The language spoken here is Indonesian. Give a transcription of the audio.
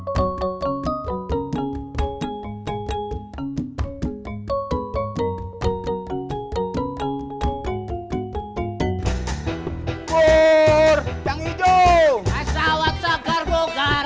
burr canggih jauh asawat segar bukar